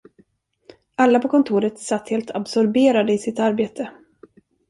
Alla på kontoret satt helt absorberade i sitt arbete.